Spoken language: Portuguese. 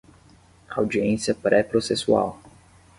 Audiência pré-processual